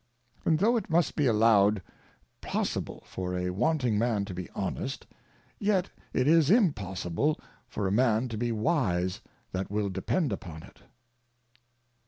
And tho it must be allow 'd possible for a wan ting Man to be honest, yet it is impossible for a Man to be wise that will depend upon it.